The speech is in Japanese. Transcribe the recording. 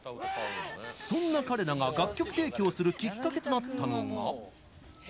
そんな彼らが楽曲提供するきっかけとなったのが。